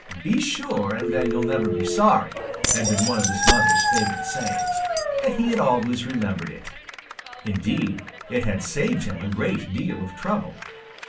"Be sure, and then you'll never be sorry" had been one of his mother's favorite sayings, and he had always remembered it. Indeed, it had saved him a great deal of trouble.